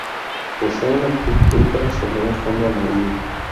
Posee una Cruz púrpura sobre un fondo amarillo.